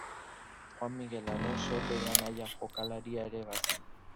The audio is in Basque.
Juan Miguel Alonso bere anaia jokalaria ere bazen.